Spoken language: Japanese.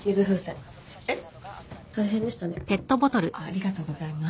ありがとうございます。